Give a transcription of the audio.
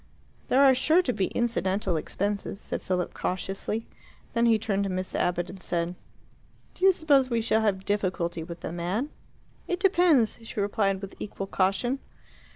"There are sure to be incidental expenses," said Philip cautiously. Then he turned to Miss Abbott and said, "Do you suppose we shall have difficulty with the man?" "It depends," she replied, with equal caution.